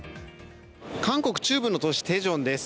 韓国中部の都市テジョンです。